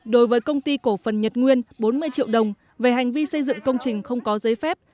đối với công ty cổ phần nhật nguyên bốn mươi triệu đồng về hành vi xây dựng công trình không có giấy phép